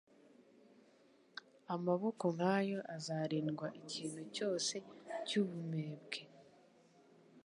Amaboko nk'ayo azarindwa ikintu cyose cy'ubvmebwe,